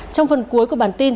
trong phần cuối của bản tin